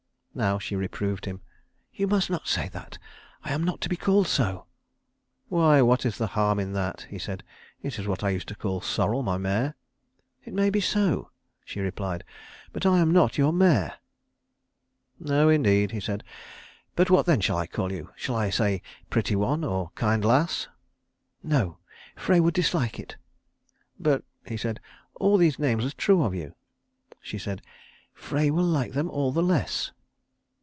Now she reproved him. "You must not say that. I am not to be called so." "Why, what is the harm in that?" he said. "It's what I used to call Sorrel, my mare." "It may be so," she replied, "but I am not your mare." "No indeed," he said. "But what then shall I call you? Shall I say 'Pretty one' or 'Kind lass'?" "No. Frey would dislike it." "But," he said, "all these names are true of you." She said, "Frey will like them all the less."